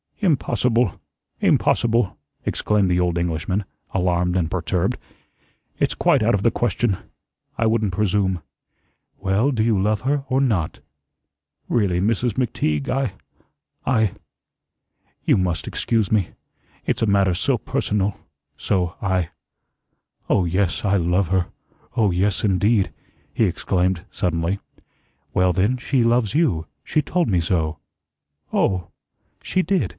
"Impossible impossible!" exclaimed the old Englishman, alarmed and perturbed. "It's quite out of the question. I wouldn't presume." "Well, do you love her, or not?" "Really, Mrs. McTeague, I I you must excuse me. It's a matter so personal so I Oh, yes, I love her. Oh, yes, indeed," he exclaimed, suddenly. "Well, then, she loves you. She told me so." "Oh!" "She did.